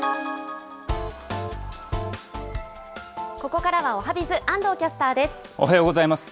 ここからはおはＢｉｚ、安藤キャスターです。